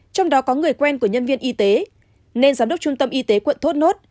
trong đó có người quen của nhân viên y tế nên giám đốc trung tâm y tế quận thốt nốt